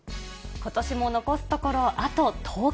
ことしも残すところあと１０日。